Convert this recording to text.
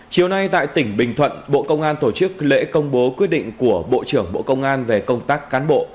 chiều nay tại tỉnh bình thuận bộ công an tổ chức lễ công bố quyết định của bộ trưởng bộ công an về công tác cán bộ